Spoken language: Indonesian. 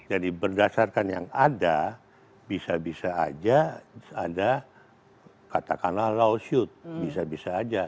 jadi berdasarkan yang ada bisa bisa aja ada katakanlah lawsuit bisa bisa aja